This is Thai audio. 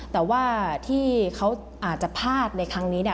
แต่ว่าที่เขาอาจจะพลาดในครั้งนี้เนี่ย